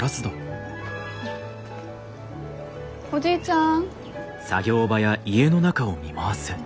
おじいちゃん？